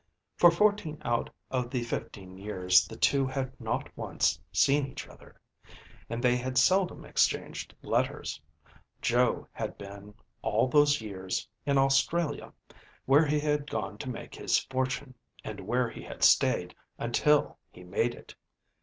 For fourteen out of the fifteen years the two had not once seen each other, and they bad seldom exchanged letters. Joe had been all those years in Australia, where he had gone to make his fortune, and where be had stayed until be made it.